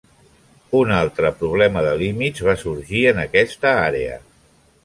Un altre problema de límits va sorgir en aquesta àrea.